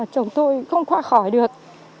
chồng tôi không qua khỏi được